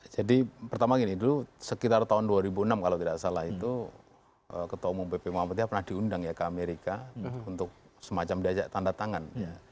jadi pertama gini dulu sekitar tahun dua ribu enam kalau tidak salah itu ketua umum bp muhammadiyah pernah diundang ya ke amerika untuk semacam tanda tangan